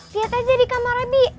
lihat aja di kamar abi